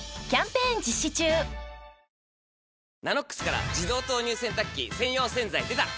「ＮＡＮＯＸ」から自動投入洗濯機専用洗剤でた！